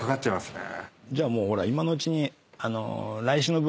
じゃあもう今のうちに。